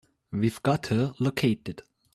We've got her located.